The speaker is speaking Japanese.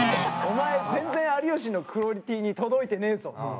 「お前全然有吉のクオリティーに届いてねえぞ」。